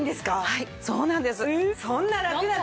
はいそうなんです。